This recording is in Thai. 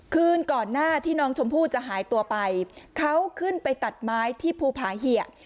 คืนก่อนหน้าที่น้องชมพู่จะหายตัวไปเขาขึ้นไปตัดไม้ที่ภูผาเหยะ